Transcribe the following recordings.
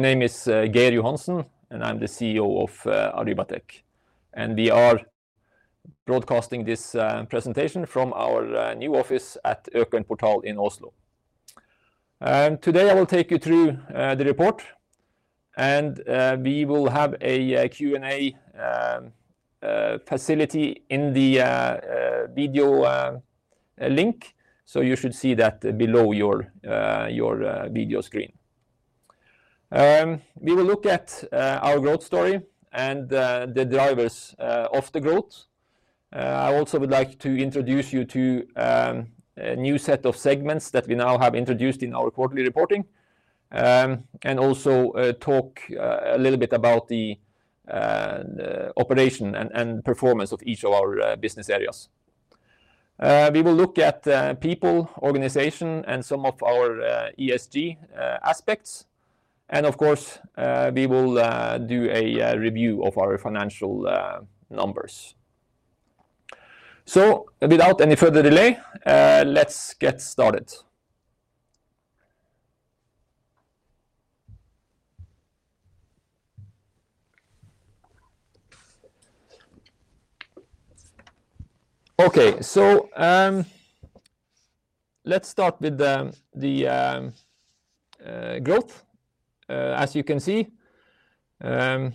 Name is Geir Johansen, and I'm the CEO of Arribatec. We are broadcasting this presentation from our new office at Økern Portal in Oslo. Today I will take you through the report, and we will have a Q&A facility in the video link. You should see that below your video screen. We will look at our growth story and the drivers of the growth. I also would like to introduce you to a new set of segments that we now have introduced in our quarterly reporting. Also talk a little bit about the operation and performance of each of our business areas. We will look at people, organization, and some of our ESG aspects. Of course, we will do a review of our financial numbers. Without any further delay, let's get started. Let's start with the growth. As you can see, the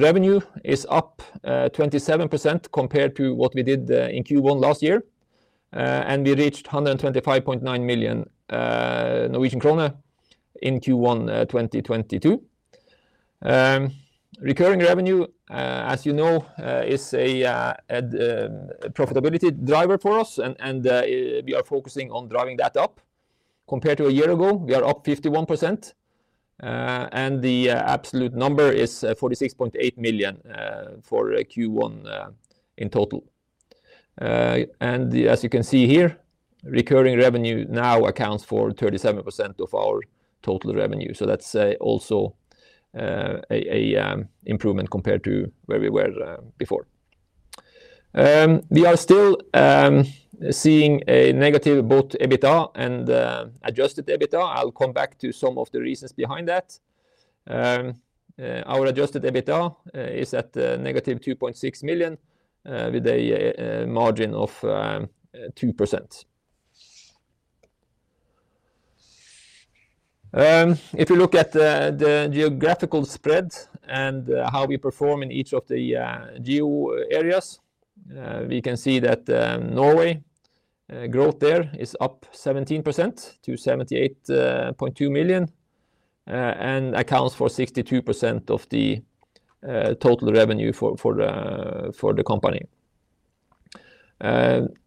revenue is up 27% compared to what we did in Q1 last year. We reached 125.9 million Norwegian krone in Q1 2022. Recurring revenue, as you know, is a profitability driver for us. We are focusing on driving that up. Compared to a year ago, we are up 51%. The absolute number is 46.8 million for Q1 in total. As you can see here, recurring revenue now accounts for 37% of our total revenue. Let's say also an improvement compared to where we were before. We are still seeing a negative both EBITDA and adjusted EBITDA. I'll come back to some of the reasons behind that. Our adjusted EBITDA is at -2.6 million with a margin of 2%. If you look at the geographical spread and how we perform in each of the geo areas, we can see that Norway growth there is up 17% to 78.2 million and accounts for 62% of the total revenue for the company.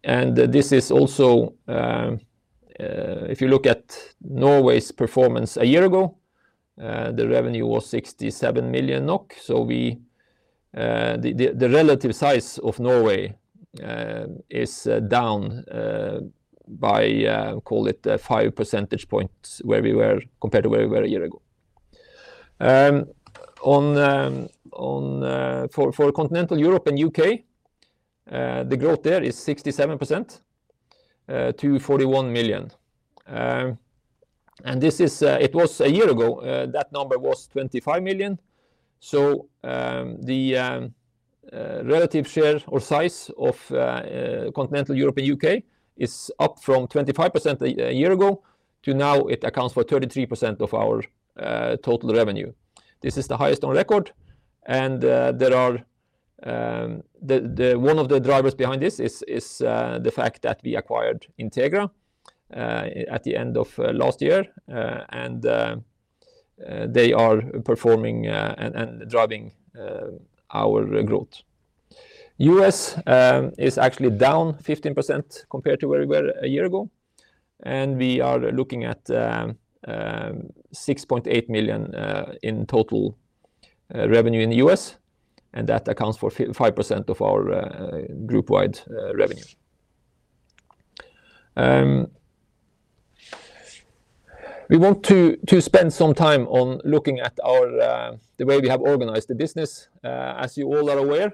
This is also if you look at Norway's performance a year ago, the revenue was 67 million NOK. The relative size of Norway is down by call it 5 percentage points compared to where we were a year ago. In continental Europe and U.K., the growth there is 67% to 41 million. It was a year ago that number was 25 million. The relative share or size of continental Europe and U.K. is up from 25% a year ago to now it accounts for 33% of our total revenue. This is the highest on record. One of the drivers behind this is the fact that we acquired Integra at the end of last year. They are performing and driving our growth. U.S. is actually down 15% compared to where we were a year ago, and we are looking at 6.8 million in total revenue in the U.S., and that accounts for 5% of our group-wide revenue. We want to spend some time looking at the way we have organized the business. As you all are aware,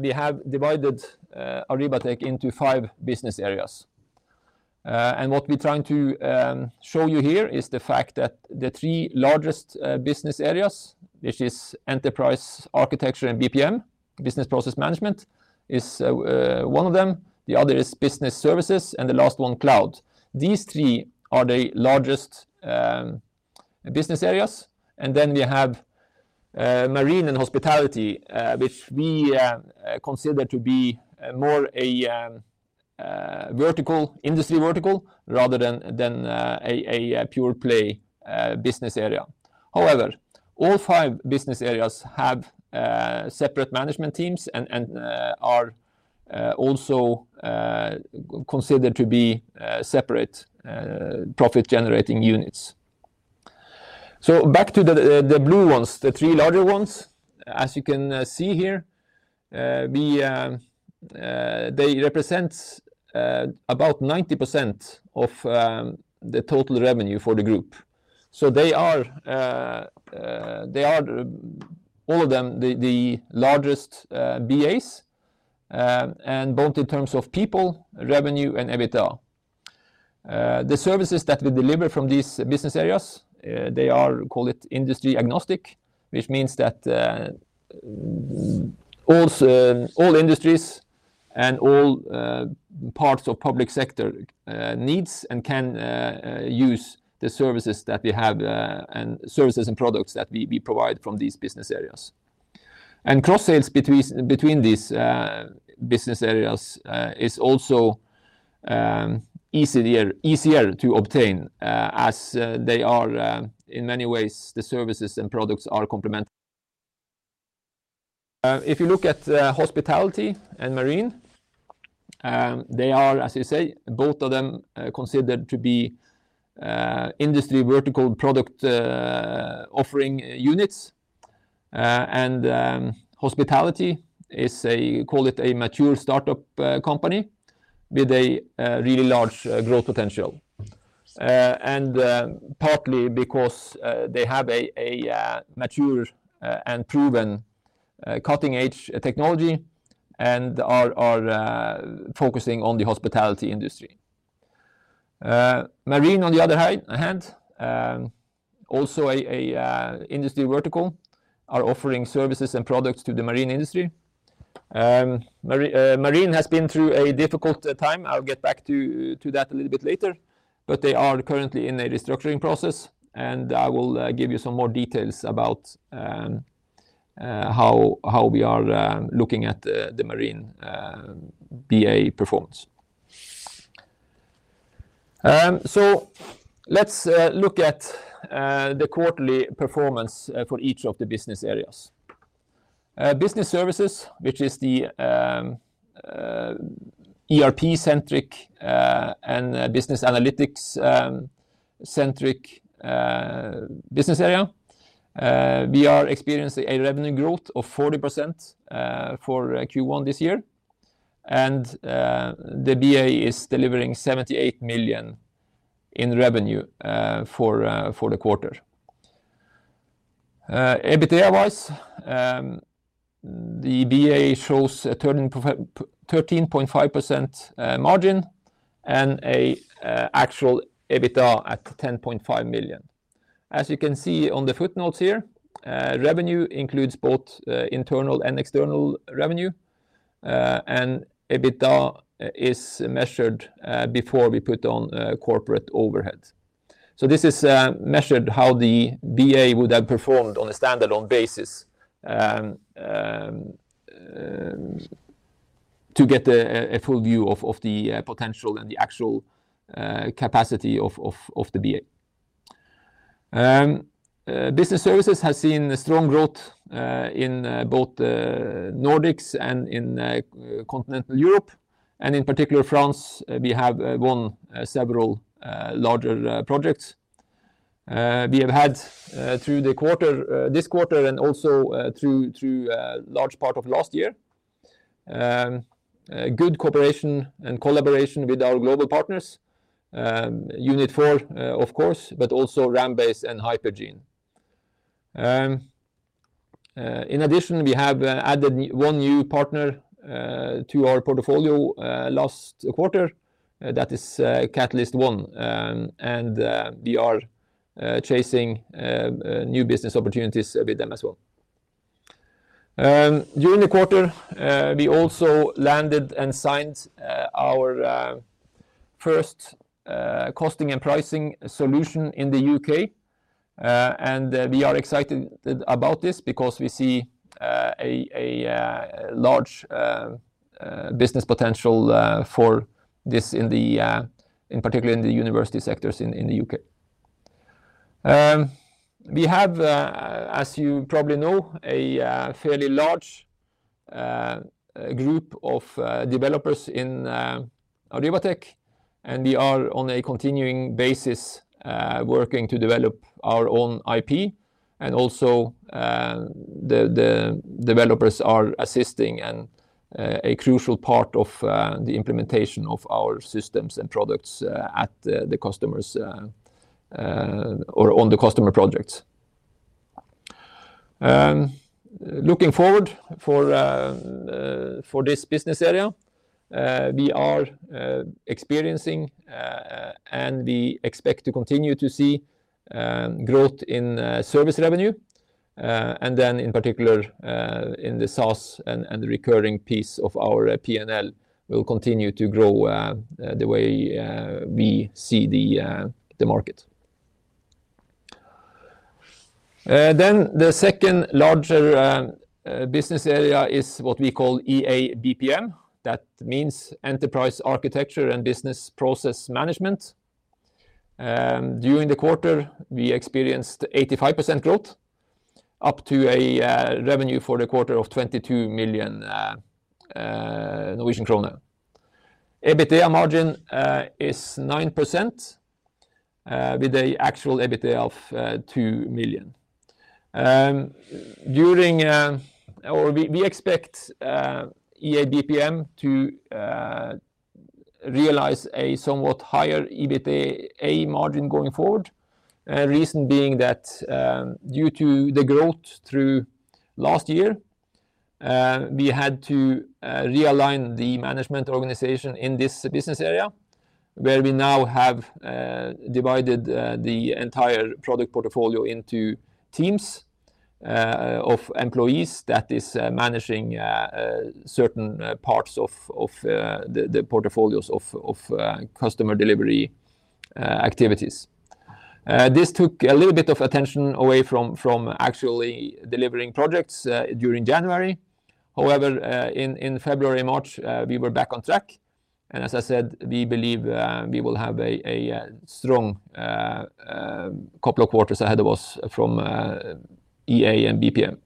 we have divided Arribatec into five business areas. What we're trying to show you here is the fact that the three largest business areas, which is enterprise architecture and BPM, business process management, is one of them, the other is business services, and the last one, cloud. These three are the largest business areas. Then we have marine and hospitality, which we consider to be more a vertical, industry vertical, rather than a pure-play business area. However, all five business areas have separate management teams and are also considered to be separate profit-generating units. Back to the blue ones, the three larger ones. As you can see here, they represent about 90% of the total revenue for the group. They are all of them the largest BAs and both in terms of people, revenue and EBITDA. The services that we deliver from these business areas, they are, call it industry agnostic, which means that, all, so all industries and all, parts of public sector, needs and can, use the services that we have, and services and products that we provide from these business areas. Cross sales between these business areas is also, easier to obtain, as, they are, in many ways, the services and products are complementary. If you look at, Hospitality and Marine, they are, as you say, both of them are considered to be, industry vertical product, offering units. Hospitality is a, call it a mature startup, company with a, really large, growth potential. Partly because they have a mature and proven cutting-edge technology and are focusing on the hospitality industry. Marine, on the other hand, also a industry vertical are offering services and products to the marine industry. Marine has been through a difficult time. I'll get back to that a little bit later. They are currently in a restructuring process, and I will give you some more details about how we are looking at the Marine BA performance. Let's look at the quarterly performance for each of the business areas. Business Services, which is the ERP-centric and business analytics-centric business area. We are experiencing a revenue growth of 40% for Q1 this year, and the BA is delivering 78 million in revenue for the quarter. EBITDA-wise, the BA shows a 13.5% margin and an actual EBITDA at 10.5 million. As you can see on the footnotes here, revenue includes both internal and external revenue. EBITDA is measured before we put on corporate overhead. This is measured how the BA would have performed on a standalone basis to get a full view of the potential and the actual capacity of the BA. Business Services has seen a strong growth in both Nordics and in continental Europe, and in particular France, we have won several larger projects. We have had, through this quarter and also through large part of last year, a good cooperation and collaboration with our global partners, Unit4 of course, but also RamBase and Hypergene. In addition, we have added one new partner to our portfolio last quarter. That is CatalystOne, and we are chasing new business opportunities with them as well. During the quarter, we also landed and signed our first costing and pricing solution in the U.K. We are excited about this because we see a large business potential for this in particular in the university sectors in the U.K. We have, as you probably know, a fairly large group of developers in Arribatec, and we are on a continuing basis working to develop our own IP and also the developers are assisting and a crucial part of the implementation of our systems and products at the customers' or on the customer projects. Looking forward for this business area, we are experiencing and we expect to continue to see growth in service revenue. In particular, in the SaaS and the recurring piece of our P&L will continue to grow the way we see the market. The second largest business area is what we call EABPM. That means Enterprise Architecture and Business Process Management. During the quarter, we experienced 85% growth, up to a revenue for the quarter of 22 million Norwegian kroner. EBITDA margin is 9%, with an actual EBITDA of 2 million. We expect EABPM to realize a somewhat higher EBITDA margin going forward. Reason being that, due to the growth through last year, we had to realign the management organization in this business area where we now have divided the entire product portfolio into teams of employees that is managing certain parts of the portfolios of customer delivery activities. This took a little bit of attention away from actually delivering projects during January. However, in February, March, we were back on track. As I said, we believe we will have a strong couple of quarters ahead of us from EA and BPM.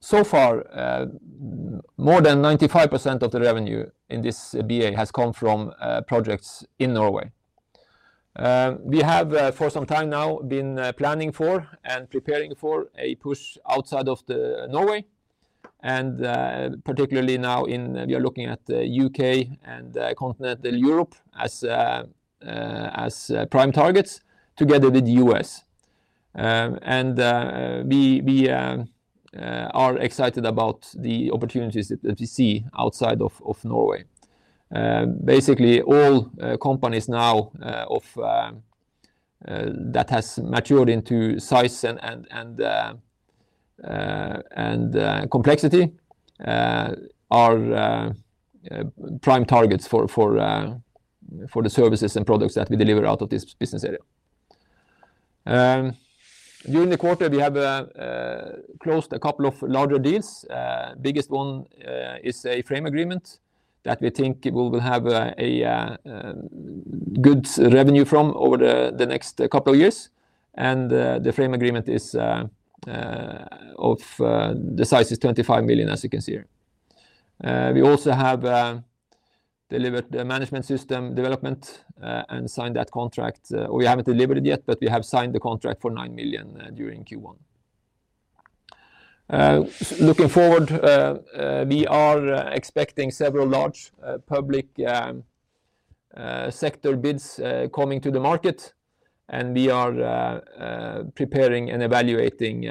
So far, more than 95% of the revenue in this BA has come from projects in Norway. We have for some time now been planning for and preparing for a push outside of Norway and particularly now we are looking at U.K. and continental Europe as prime targets together with the U.S. We are excited about the opportunities that we see outside of Norway. Basically all companies now of that has matured into size and complexity are prime targets for the services and products that we deliver out of this business area. During the quarter, we have closed a couple of larger deals. Biggest one is a frame agreement that we think we will have a good revenue from over the next couple of years. The frame agreement is of the size 25 million, as you can see here. We also have delivered a management system development and signed that contract. We haven't delivered it yet, but we have signed the contract for 9 million during Q1. Looking forward, we are expecting several large public sector bids coming to the market, and we are preparing and evaluating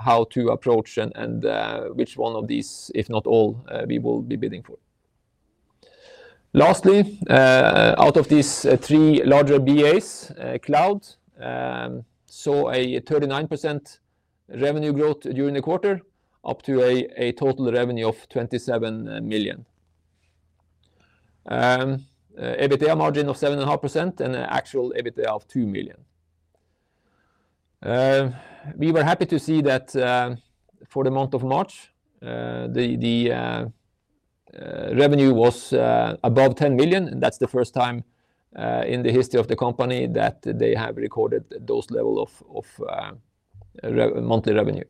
how to approach and which one of these, if not all, we will be bidding for. Lastly, out of these three larger BAs, Cloud saw a 39% revenue growth during the quarter, up to a total revenue of 27 million. EBITDA margin of 7.5% and actual EBITDA of 2 million. We were happy to see that for the month of March, the revenue was above 10 million. That's the first time in the history of the company that they have recorded those levels of monthly revenue.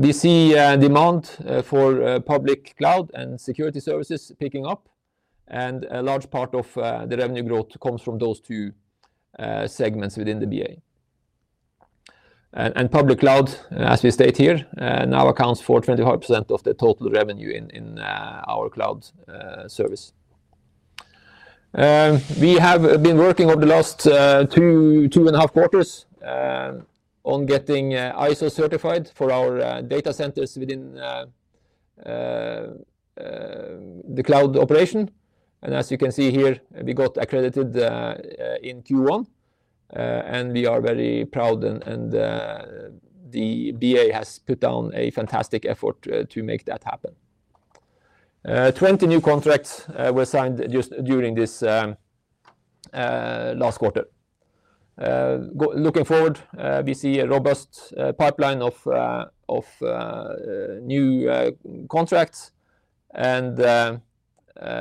We see demand for public cloud and security services picking up, and a large part of the revenue growth comes from those two segments within the BA. Public cloud, as we state here, now accounts for 25% of the total revenue in our cloud service. We have been working over the last two and a half quarters on getting ISO certified for our data centers within the cloud operation. As you can see here, we got accredited in Q1, and we are very proud and the BA has put in a fantastic effort to make that happen. 20 new contracts were signed just during this last quarter. Looking forward, we see a robust pipeline of new contracts and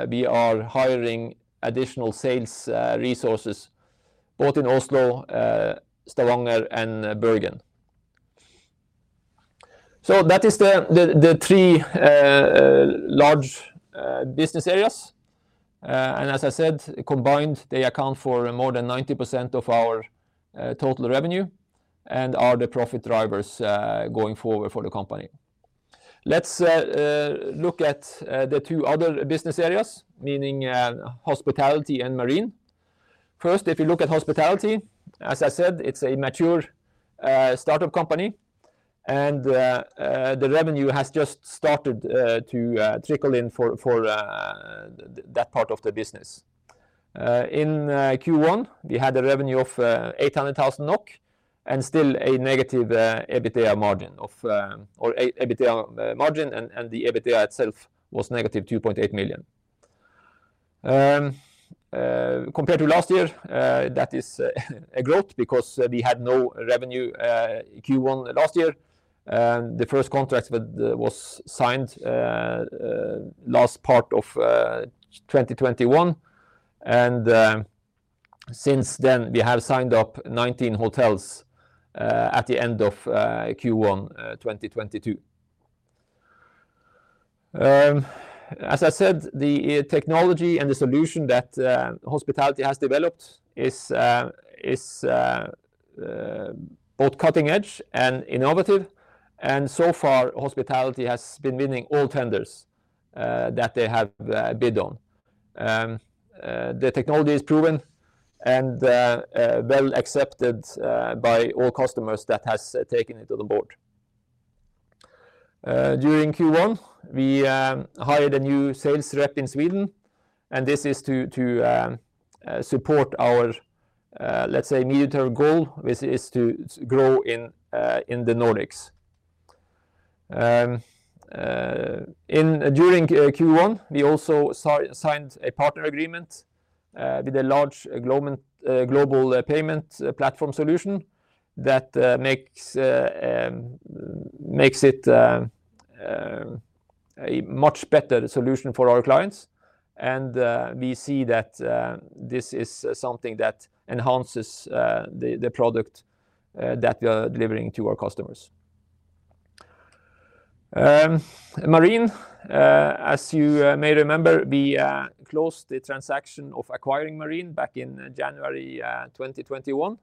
we are hiring additional sales resources both in Oslo, Stavanger and Bergen. So that is the three large business areas. And as I said, combined, they account for more than 90% of our total revenue and are the profit drivers going forward for the company. Let's look at the two other business areas, meaning Hospitality and Marine. First, if you look at Hospitality, as I said, it's a mature startup company, and the revenue has just started to trickle in for that part of the business. In Q1, we had a revenue of 800,000 NOK and still a negative EBITDA margin, and the EBITDA itself was -2.8 million. Compared to last year, that is a growth because we had no revenue Q1 last year. The first contract was signed last part of 2021. Since then, we have signed up 19 hotels at the end of Q1 2022. As I said, the technology and the solution that Hospitality has developed is both cutting edge and innovative. So far, Hospitality has been winning all tenders that they have bid on. The technology is proven and well accepted by all customers that has taken it to the board. During Q1, we hired a new sales rep in Sweden, and this is to support our, let's say medium-term goal, which is to grow in the Nordics. During Q1, we also signed a partner agreement with a large global payment platform solution that makes it a much better solution for our clients. We see that this is something that enhances the product that we are delivering to our customers. Marine, as you may remember, we closed the transaction of acquiring Marine back in January 2021.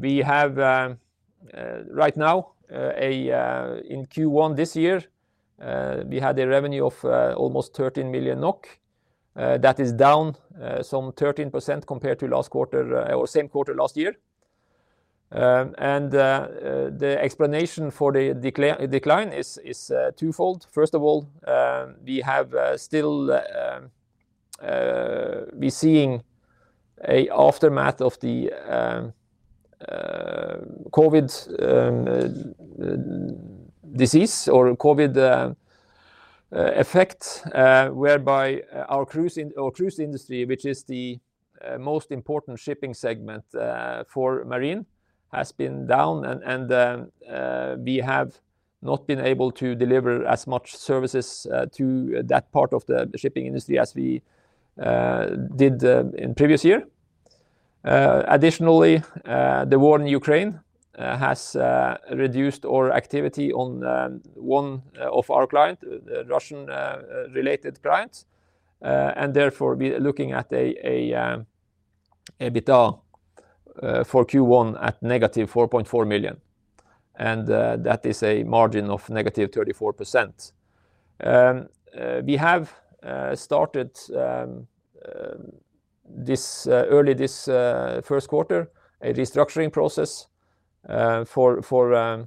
We have right now, in Q1 this year, we had a revenue of almost 13 million NOK. That is down some 13% compared to last quarter or same quarter last year. The explanation for the decline is twofold. First of all, we have still, we're seeing an aftermath of the COVID disease or COVID effect, whereby our cruise industry, which is the most important shipping segment for Marine, has been down. We have not been able to deliver as much services to that part of the shipping industry as we did in previous year. Additionally, the war in Ukraine has reduced our activity on one of our client, the Russian-related clients. Therefore, we are looking at an EBITDA for Q1 at -4.4 million, and that is a margin of -34%. We have started, early this first quarter, a restructuring process for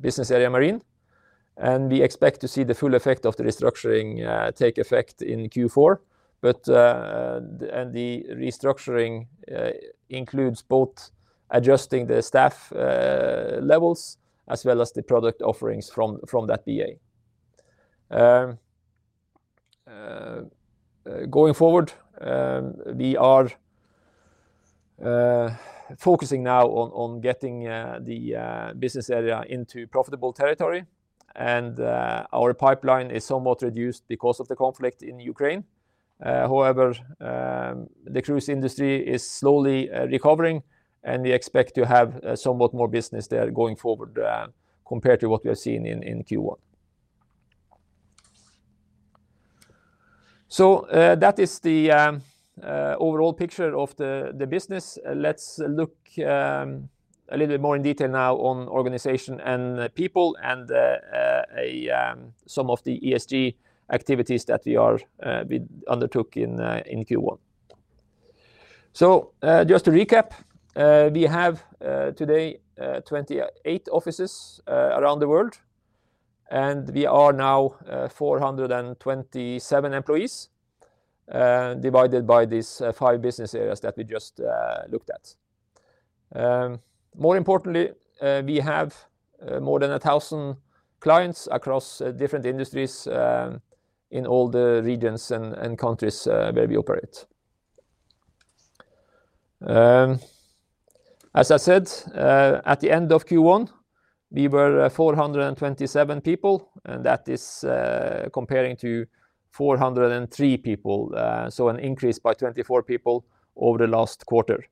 business area Marine, and we expect to see the full effect of the restructuring take effect in Q4. The restructuring includes both adjusting the staff levels as well as the product offerings from that BA. Going forward, we are focusing now on getting the business area into profitable territory. Our pipeline is somewhat reduced because of the conflict in Ukraine. However, the cruise industry is slowly recovering, and we expect to have somewhat more business there going forward compared to what we are seeing in Q1. That is the overall picture of the business. Let's look a little bit more in detail now on organization and people and some of the ESG activities that we undertook in Q1. Just to recap, we have today 28 offices around the world, and we are now 427 employees divided by these five business areas that we just looked at. More importantly, we have more than 1,000 clients across different industries in all the regions and countries where we operate. As I said, at the end of Q1, we were 427 people, and that is comparing to 403 people. An increase by 24 people over the last quarter.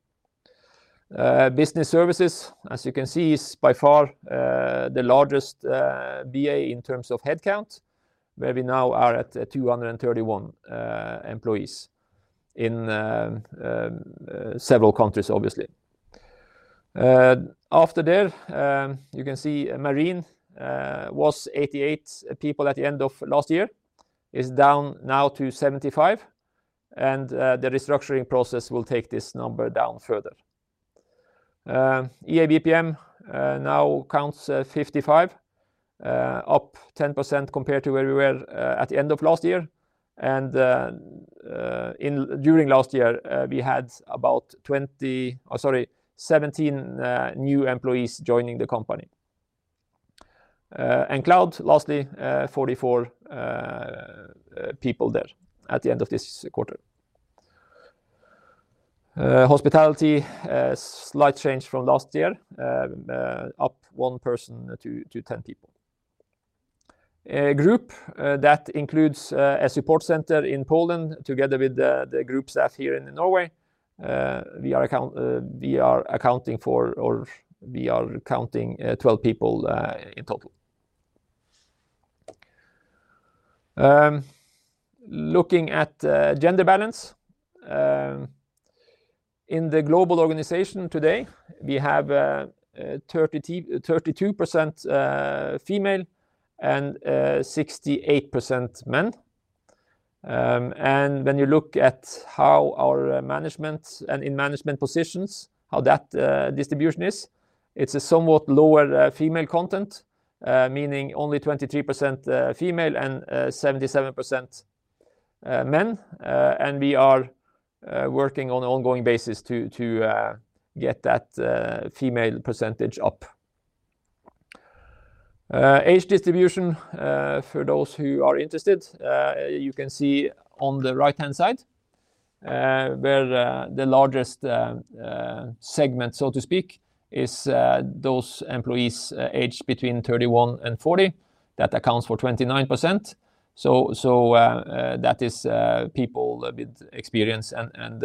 Business Services, as you can see, is by far the largest BA in terms of headcount, where we now are at 231 employees in several countries, obviously. After that, you can see Marine was 88 people at the end of last year. It's down now to 75, and the restructuring process will take this number down further. EABPM now counts 55, up 10% compared to where we were at the end of last year. During last year, we had about 17 new employees joining the company. Cloud, lastly, 44 people there at the end of this quarter. Hospitality, a slight change from last year, up one person to 10 people. Group, that includes a support center in Poland together with the group staff here in Norway. We are accounting for or we are counting 12 people in total. Looking at gender balance in the global organization today, we have 32% female and 68% men. When you look at how our management and in management positions, how that distribution is, it's a somewhat lower female content, meaning only 23% female and 77% men. We are working on an ongoing basis to get that female percentage up. Age distribution for those who are interested, you can see on the right-hand side, where the largest segment, so to speak, is those employees aged between 31 and 40, that accounts for 29%. That is people with experience and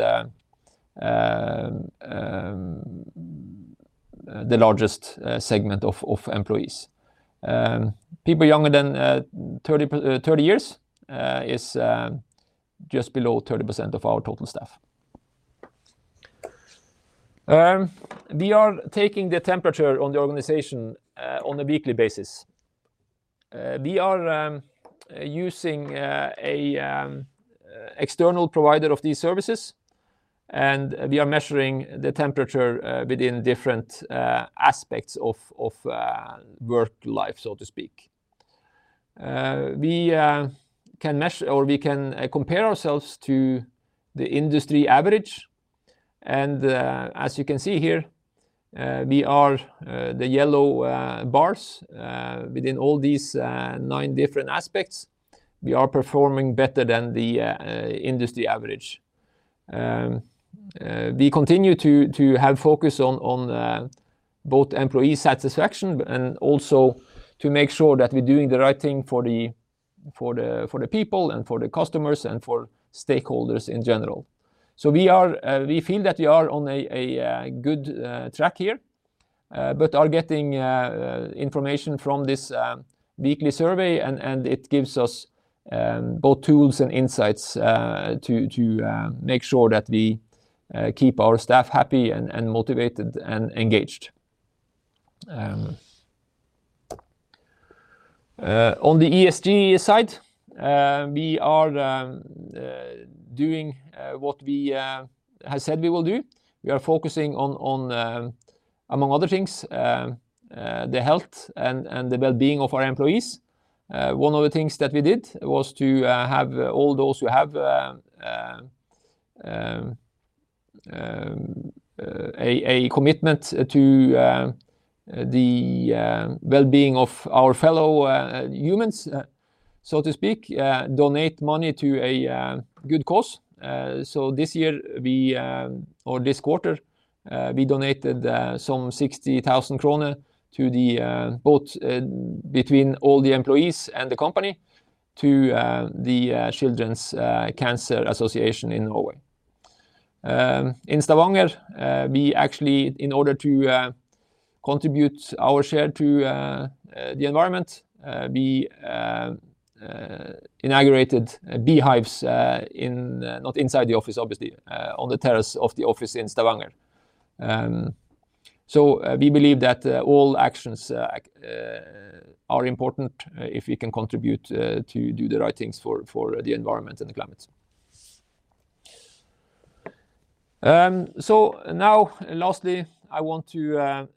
the largest segment of employees. People younger than 30 years is just below 30% of our total staff. We are taking the temperature on the organization on a weekly basis. We are using an external provider of these services, and we are measuring the temperature within different aspects of work life, so to speak. We can measure or we can compare ourselves to the industry average and, as you can see here, we are the yellow bars within all these nine different aspects. We are performing better than the industry average. We continue to have focus on both employee satisfaction and also to make sure that we're doing the right thing for the people and for the customers and for stakeholders in general. We feel that we are on a good track here, but are getting information from this weekly survey, and it gives us both tools and insights to make sure that we keep our staff happy and motivated and engaged. On the ESG side, we are doing what we have said we will do. We are focusing on, among other things, the health and the well-being of our employees. One of the things that we did was to have all those who have a commitment to the well-being of our fellow humans, so to speak, donate money to a good cause. This year, or this quarter, we donated some NOK 60,000 between all the employees and the company to the Norwegian Childhood Cancer Society. In Stavanger, we actually, in order to contribute our share to the environment, inaugurated beehives not inside the office, obviously, on the terrace of the office in Stavanger. We believe that all actions are important if we can contribute to do the right things for the environment and the climate. Now lastly, I want to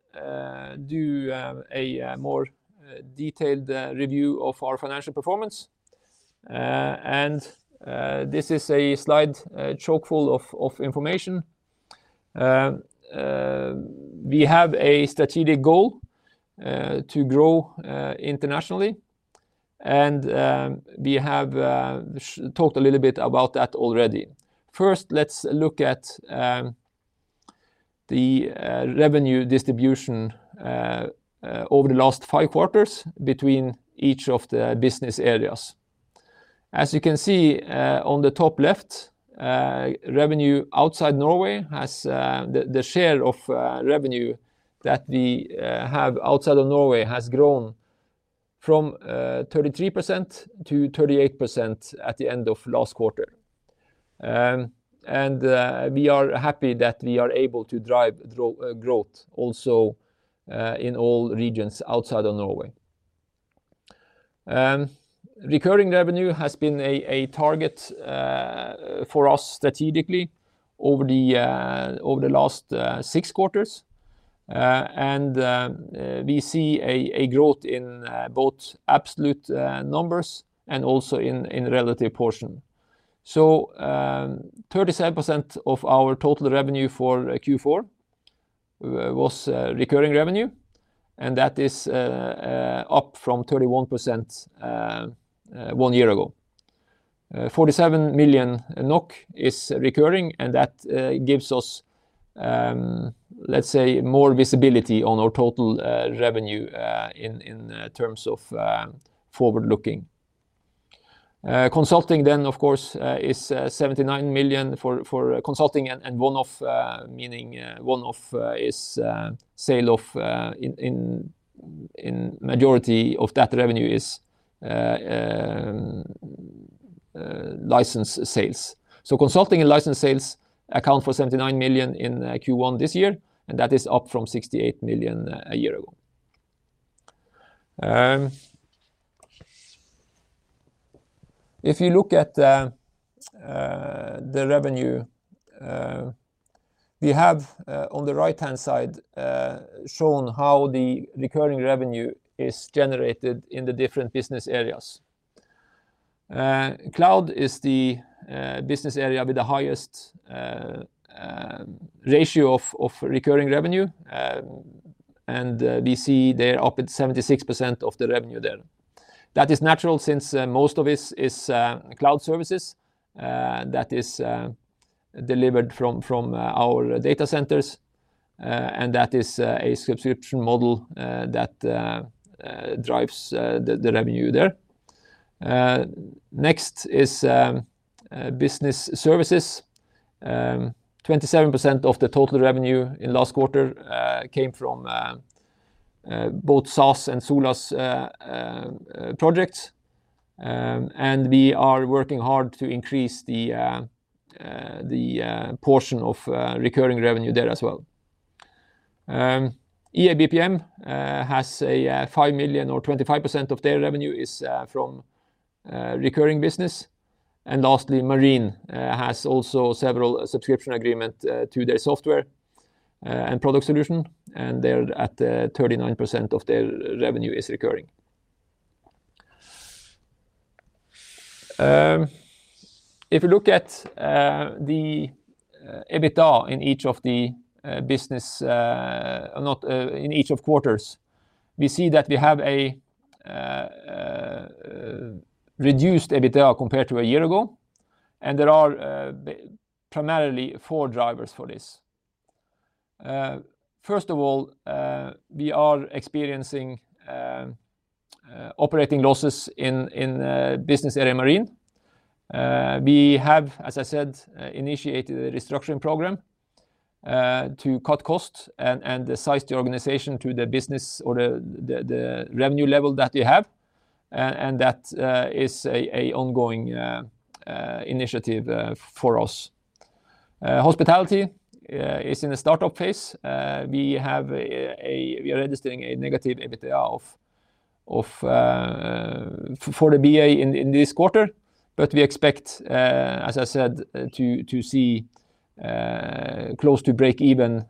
do a more detailed review of our financial performance. This is a slide chock-full of information. We have a strategic goal to grow internationally, and we have talked a little bit about that already. First, let's look at the revenue distribution over the last five quarters between each of the business areas. As you can see, on the top left, revenue outside Norway, the share of revenue that we have outside of Norway has grown from 33% to 38% at the end of last quarter. We are happy that we are able to drive growth also in all regions outside of Norway. Recurring revenue has been a target for us strategically over the last six quarters. We see a growth in both absolute numbers and also in relative portion. 37% of our total revenue for Q4 was recurring revenue, and that is up from 31% 1 year ago. 47 million NOK is recurring, and that gives us, let's say, more visibility on our total revenue in terms of forward-looking. Consulting then of course is 79 million for consulting and one-off, meaning one-off is sale of licenses. In majority of that revenue is license sales. Consulting and license sales account for 79 million in Q1 this year, and that is up from 68 million a year ago. If you look at the revenue we have on the right-hand side shown how the recurring revenue is generated in the different business areas. Cloud is the business area with the highest ratio of recurring revenue. We see we're up at 76% of the revenue there. That is natural since most of it is cloud services that is delivered from our data centers and that is a subscription model that drives the revenue there. Next is business services. 27% of the total revenue in last quarter came from both SaaS and SolaaS projects. We are working hard to increase the portion of recurring revenue there as well. EABPM has 5 million or 25% of their revenue from recurring business. Lastly, Marine has also several subscription agreements to their software and product solution, and they're at 39% of their revenue is recurring. If you look at the EBITDA in each of the business areas, not in each of quarters, we see that we have a reduced EBITDA compared to a year ago, and there are primarily four drivers for this. First of all, we are experiencing operating losses in business area Marine. We have, as I said, initiated a restructuring program to cut costs and size the organization to the business or the revenue level that we have. And that is a ongoing initiative for us. Hospitality is in a startup phase. We are registering a negative EBITDA for the BA in this quarter, but we expect, as I said, to see close to break-even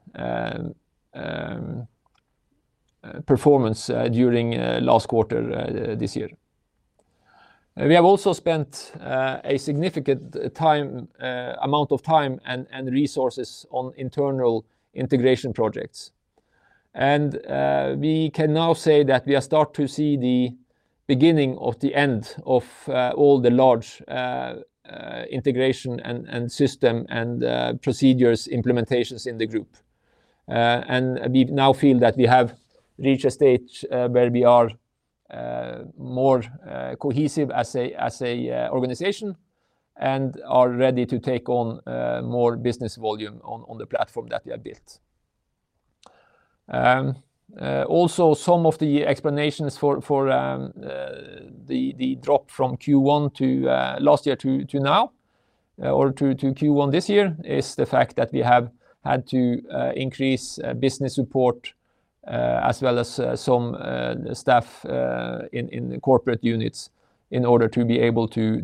performance during last quarter this year. We have also spent a significant amount of time and resources on internal integration projects. We can now say that we are starting to see the beginning of the end of all the large integration and system and procedures implementations in the group. We now feel that we have reached a stage where we are more cohesive as an organization and are ready to take on more business volume on the platform that we have built. Also some of the explanations for the drop from Q1 last year to now, or to Q1 this year, is the fact that we have had to increase business support as well as some staff in the corporate units in order to be able to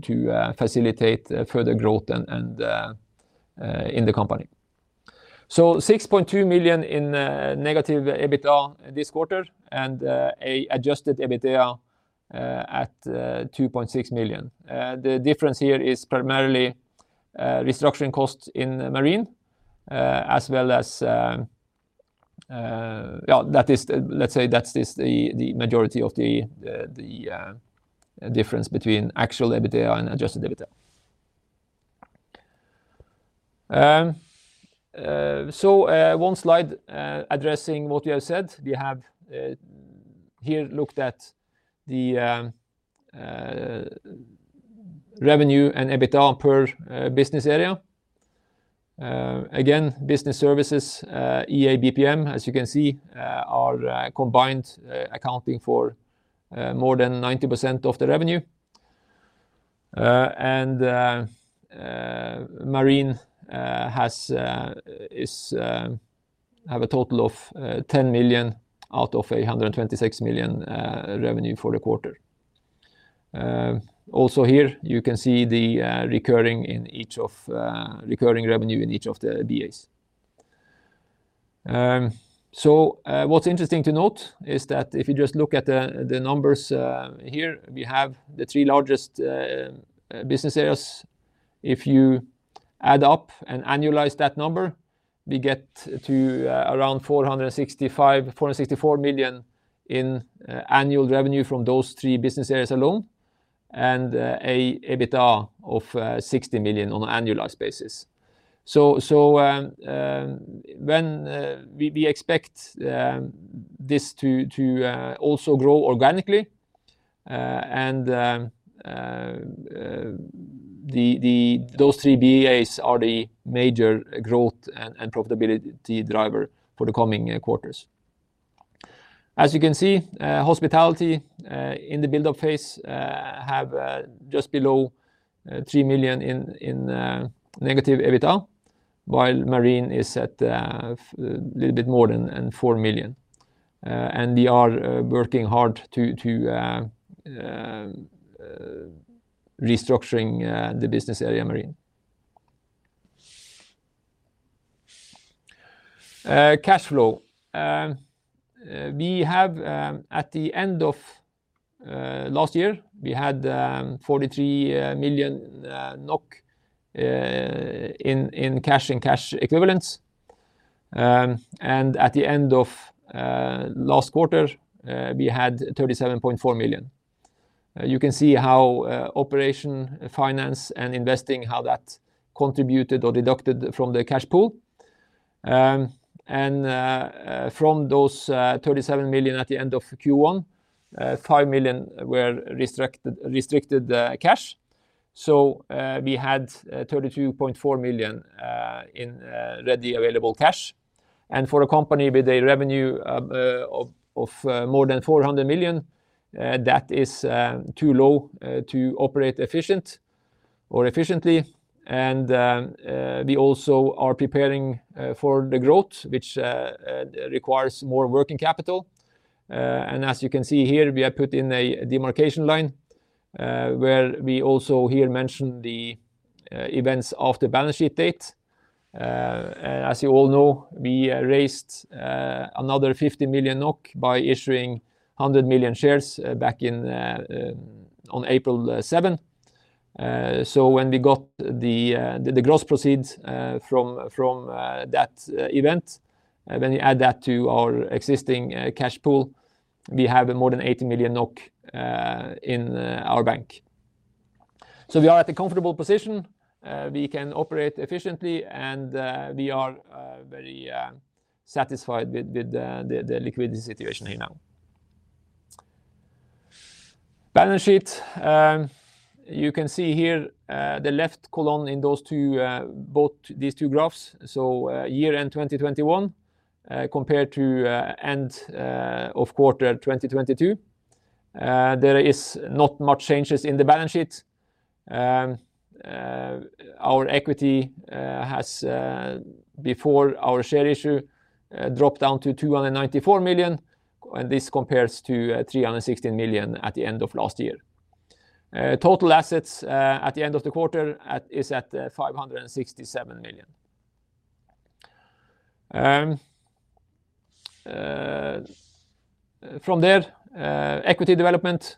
facilitate further growth and in the company. -6.2 million EBITDA this quarter and an adjusted EBITDA at 2.6 million. The difference here is primarily restructuring costs in Marine as well as. Well, that is, let's say that's the difference between actual EBITDA and adjusted EBITDA. One slide addressing what we have said. We have here looked at the revenue and EBITDA per business area. Again, Business Services, EABPM, as you can see, are combined, accounting for more than 90% of the revenue. Marine has a total of 10 million out of 126 million revenue for the quarter. Also here you can see the recurring revenue in each of the BAs. What's interesting to note is that if you just look at the numbers here, we have the three largest business areas. If you add up and annualize that number, we get to around 465, 464 million in annual revenue from those three business areas alone and an EBITDA of 60 million on an annualized basis. When we expect this to also grow organically, and those three BAs are the major growth and profitability driver for the coming quarters. As you can see, Hospitality in the buildup phase have just below 3 million in negative EBITDA, while Marine is at a little bit more than 4 million. And we are working hard to restructuring the business area Marine. Cash flow. At the end of last year, we had 43 million NOK in cash and cash equivalents. At the end of last quarter, we had 37.4 million. You can see how operating, financing, and investing, how that's contributed or deducted from the cash pool. From those 37 million at the end of Q1, 5 million were restricted cash. We had 32.4 million in readily available cash. For a company with a revenue of more than 400 million, that is too low to operate efficiently. We also are preparing for the growth, which requires more working capital. As you can see here, we have put in a demarcation line where we also here mention the events of the balance sheet date. As you all know, we raised another 50 million NOK by issuing 100 million shares back in on April 7th. When you add the gross proceeds from that event to our existing cash pool, we have more than 80 million NOK in our bank. We are at a comfortable position. We can operate efficiently, and we are very satisfied with the liquidity situation here now. Balance sheet. You can see here the left column in both these two graphs. Year-end 2021 compared to end of quarter 2022. There is not much changes in the balance sheet. Our equity has, before our share issue, dropped down to 294 million, and this compares to 316 million at the end of last year. Total assets at the end of the quarter is at 567 million. From there, equity development.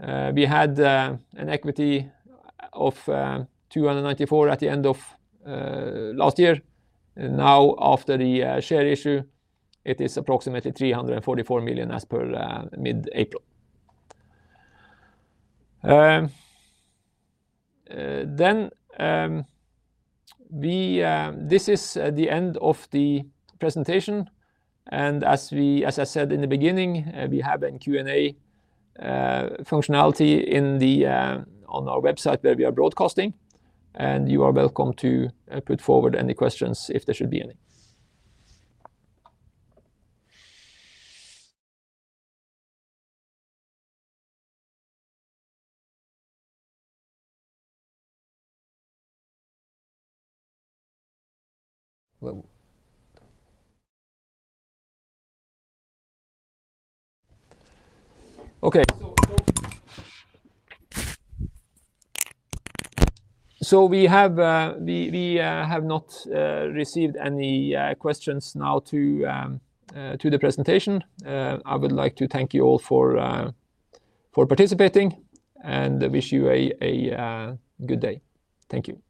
We had an equity of 294 million at the end of last year. Now after the share issue, it is approximately 344 million as per mid-April. This is the end of the presentation. As we, as I said in the beginning, we have a Q&A functionality on our website where we are broadcasting, and you are welcome to put forward any questions if there should be any. We have not received any questions now to the presentation. I would like to thank you all for participating and wish you a good day. Thank you.